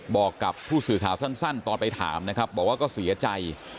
บอกกับผู้สื่อข่าวสั้นตอนไปถามนะครับบอกว่าก็เสียใจ